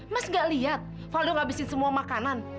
mas gak liat faudo ngabisin semua makanan